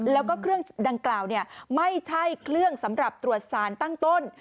แล้วก็เครื่องดังกล่าวไม่ใช่เครื่องสำหรับตรวจสารตั้งต้น